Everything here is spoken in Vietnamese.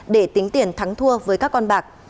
để tính tiền thắng thua với các con bạc